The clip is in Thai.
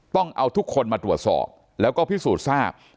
ต้องเอาทุกคนมาตรวจสอบแล้วก็พิสูจน์ทราบ